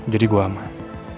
jadi gue aman